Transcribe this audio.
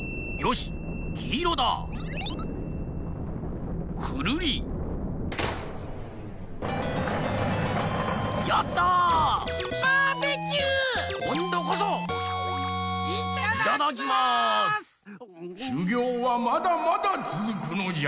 しゅぎょうはまだまだつづくのじゃ！